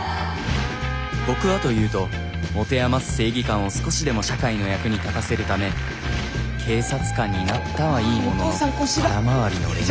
僕はというと持て余す正義感を少しでも社会の役に立たせるため警察官になったはいいものの空回りの連続。